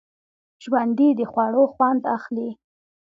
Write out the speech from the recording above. ژوندي د خوړو خوند اخلي